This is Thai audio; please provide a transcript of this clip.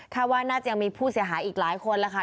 ว่าน่าจะยังมีผู้เสียหายอีกหลายคนแล้วค่ะ